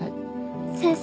先生